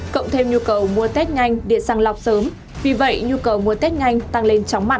cộng thêm nhu cầu mua test nhanh để sang lọc sớm vì vậy nhu cầu mua test nhanh tăng lên chóng mặt